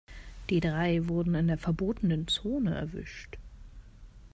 Die drei wurden in der verbotenen Zone erwischt.